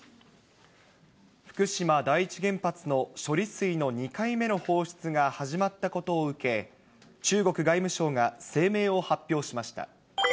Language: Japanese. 福島第一原発の処理水の２回目の放出が始まったことを受け、中国外務省が声明を発表しました。